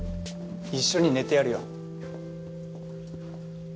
一緒に寝てやるよ。